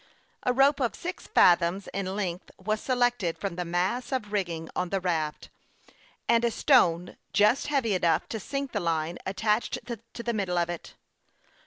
A rope of six fathoms in length was selected from the mass of rigging on the raft, and a stone just heavy enough to sink the line attached to the middle of it.